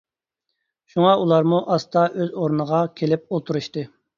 شۇڭا ئۇلارمۇ ئاستا ئۆز ئورنىغا كېلىپ ئولتۇرۇشتى.